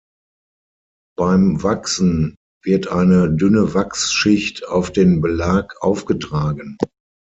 Beim Wachsen wird eine dünne Wachsschicht auf den Belag aufgetragen.